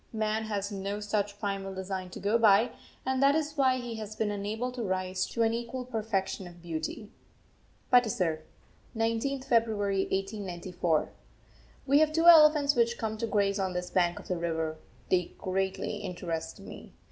Man has no such primal design to go by, and that is why he has been unable to rise to an equal perfection of beauty. PATISAR, 19th February 1894. We have two elephants which come to graze on this bank of the river. They greatly interest me.